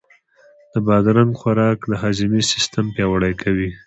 د بادرنګ خوراک د هاضمې سیستم پیاوړی کوي.